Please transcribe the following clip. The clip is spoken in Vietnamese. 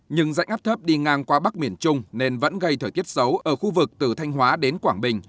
nhưng dạnh áp thấp đi ngang qua bắc miền trung nên vẫn gây thời tiết xấu ở khu vực từ thanh hóa đến quảng bình